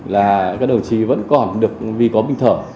là các đồng chí vẫn còn được vì có bình thở